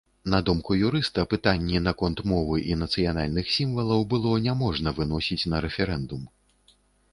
На думку юрыста, пытанні наконт мовы і нацыянальных сімвалаў было няможна выносіць на рэферэндум.